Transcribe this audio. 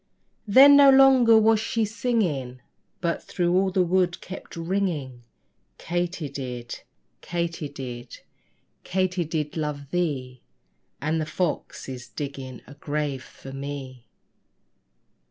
Then no longer she was singing, But through all the wood kept ringing Katy did, Katy did, Katy did love thee And the fox is digging a grave for me.